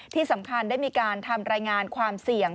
ที่สำคัญได้มีการทำรายงานความเสี่ยง